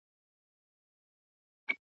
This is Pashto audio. ورزش روغتیا ساتي.